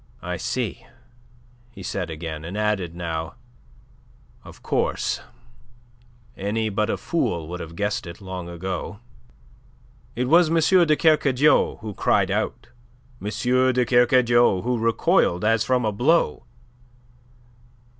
"I see," he said again; and added now, "Of course, any but a fool would have guessed it long ago." It was M. de Kercadiou who cried out, M. de Kercadiou who recoiled as from a blow.